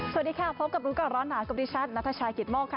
สวัสดีค่ะพบกับรุกร้อนหนาครบดิชันณฑชายขิตมอกค่ะ